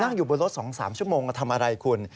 อยู่บนรถ๒๓ชั่วโมงมาทำอะไรคุณ